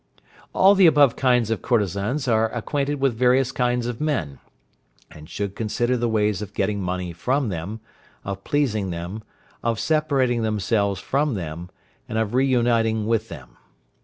All the above kinds of courtesans are acquainted with various kinds of men, and should consider the ways of getting money from them, of pleasing them, of separating themselves from them, and of re uniting with them.